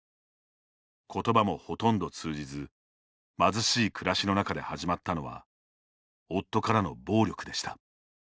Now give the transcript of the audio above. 言葉もほとんど通じず貧しい暮らしの中で始まったのは夫からの暴力でした。